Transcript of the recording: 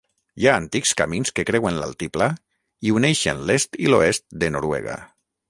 Hi ha antics camins que creuen l'altiplà i uneixen l'est i l'oest de Noruega.